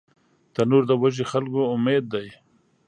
تنور د وږي خلکو امید دی